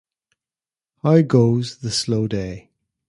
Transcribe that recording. How goes the slow day?